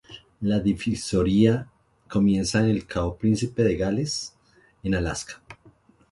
La divisoria comienza en el cabo Príncipe de Gales, en Alaska.